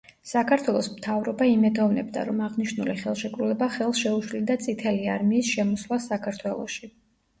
საქართველოს მთავრობა იმედოვნებდა, რომ აღნიშნული ხელშეკრულება ხელს შეუშლიდა წითელი არმიის შემოსვლას საქართველოში.